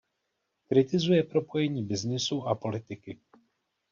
Kritizuje propojení byznysu a politiky.